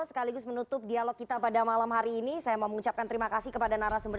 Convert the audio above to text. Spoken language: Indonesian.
sekaligus menutup dialog kita pada malam hari ini saya mau mengucapkan terima kasih kepada narasumber